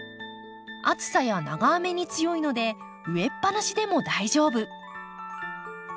暑さや長雨に強いので植えっぱなしでも大丈夫。